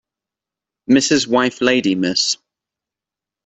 Mrs. wife lady Miss